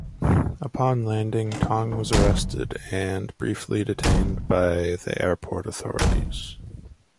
Upon landing, Tong was arrested and briefly detained by the airport authorities.